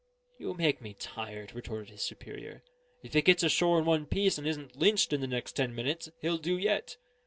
"You make me tired," retorted his superior. "If he gets ashore in one piece and isn't lynched in the next ten minutes, he'll do yet.